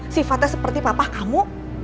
sifatnya seperti papa kamu